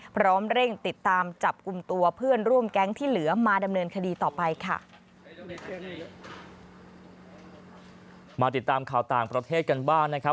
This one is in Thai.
พร้อมเร่งติดตามจับกุมตัวเพื่อนร่วมแก๊งที่เหลือมาดำเนินคดีต่อไปค่ะ